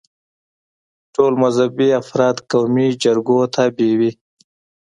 ټول مذهبي افراد قومي جرګو تابع وي.